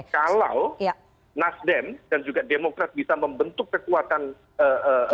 kalau nasdem dan juga demokrat bisa membentuk kekuatan eee